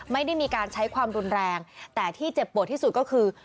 ไม่ได้มีการใช้ความรุนแรงแต่ที่เจ็บปวดที่สุดก็คือ